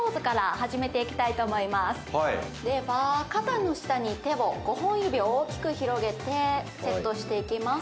肩の下に手を５本指を大きく広げてセットしていきます。